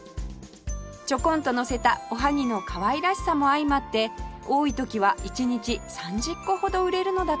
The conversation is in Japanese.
ちょこんとのせたおはぎのかわいらしさも相まって多い時は１日３０個ほど売れるのだとか